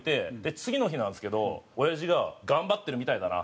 次の日なんですけどおやじが「頑張ってるみたいだな」